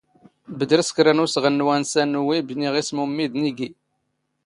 ⴱⴷⵔ ⵙ ⴽⵔⴰ ⵏ ⵓⵙⵖⵏ ⵏ ⵡⴰⵏⵙⴰ ⵏ ⵓⵡⵉⴱ ⵏⵉⵖ ⵉⵙⵎ ⵓⵎⵎⵉⴷ ⵏ ⵉⴳⵉ.